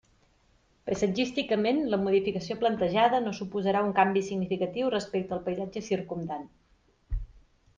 Paisatgísticament la modificació plantejada no suposarà un canvi significatiu respecte al paisatge circumdant.